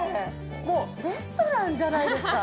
もうレストランじゃないですか。